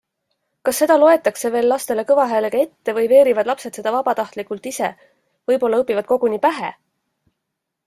Kas seda loetakse veel lastele kõva häälega ette või veerivad lapsed seda vabatahtlikult ise - võib-olla õpivad koguni pähe?